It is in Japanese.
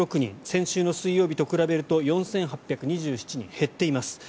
先週の水曜日と比べると４８２７人減っています。